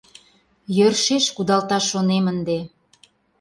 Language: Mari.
Йӧршеш кудалташ шонем ынде.